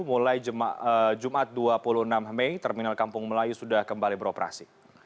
mulai jumat dua puluh enam mei terminal kampung melayu sudah kembali beroperasi